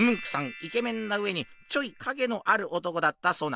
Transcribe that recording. イケメンなうえにちょい影のある男だったそうな。